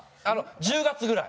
１０月ぐらい。